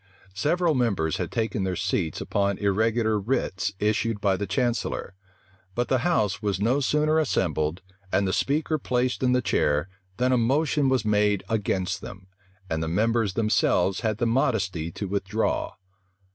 Several members had taken their seats upon irregular writs issued by the chancellor; but the house was no sooner assembled, and the speaker placed in the chair, than a motion was made against them; and the members themselves had the modesty to withdraw.